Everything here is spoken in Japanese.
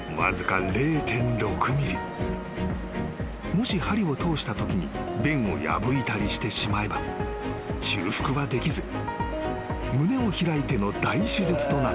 ［もし針を通したときに弁を破いたりしてしまえば修復はできず胸を開いての大手術となってしまう］